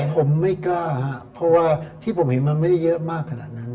ผมไม่กล้าครับเพราะว่าที่ผมเห็นมันไม่ได้เยอะมากขนาดนั้น